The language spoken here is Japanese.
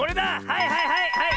はいはいはいはい！